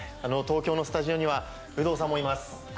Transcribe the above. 東京のスタジオには有働さんもいます。